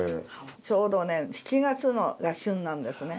ちょうどね７月が旬なんですね。